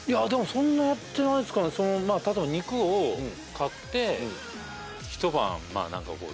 そんなやってないすからまあ例えば肉を買って一晩まあ何かこう